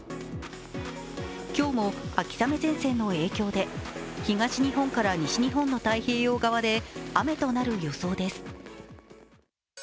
今日も秋雨前線の影響で東日本から西日本の太平洋側で雨となる予想です。